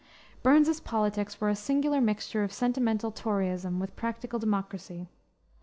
Burns's politics were a singular mixture of sentimental toryism with practical democracy.